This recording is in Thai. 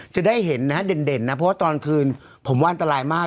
จะได้เห็นนะฮะเด่นนะเพราะว่าตอนคืนผมว่าอันตรายมาก